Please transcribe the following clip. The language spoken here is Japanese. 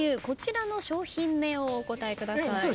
こちらの商品名をお答えください。